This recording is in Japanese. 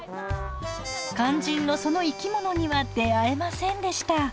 肝心のその生き物には出会えませんでした。